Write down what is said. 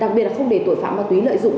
đặc biệt là không để tội phạm ma túy lợi dụng